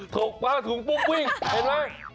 ถกมาถุงพุ่งวิ่งเห็นมั้ย